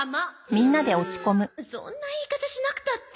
そんな言い方しなくたって。